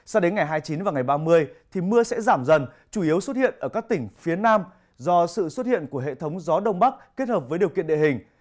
sao đến ngày hai mươi chín và ngày ba mươi thì mưa sẽ giảm dần chủ yếu xuất hiện ở các tỉnh phía nam do sự xuất hiện của hệ thống gió đông bắc kết hợp với điều kiện địa hình